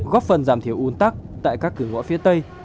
góp phần giảm thiểu un tắc tại các cửa ngõ phía tây